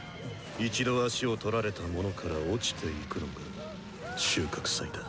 一度足をとられた者から落ちていくのが収穫祭だ。